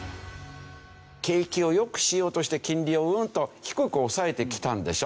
景気を良くしようとして金利をうんと低く抑えてきたんでしょ。